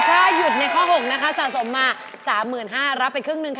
ถ้าหยุดในข้อ๖นะคะสะสมมา๓๕๐๐บาทรับไปครึ่งหนึ่งค่ะ